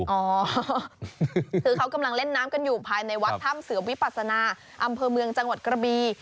อ๋อคือเขากำลังเล่นน้ำกันอยู่ภายในวัดถ้ำเสือวิปัสนาอำเภอเมืองจังหวัดกระบี